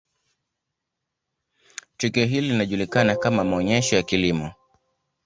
tukio hili linajulikana kama maonesho ya Kilimo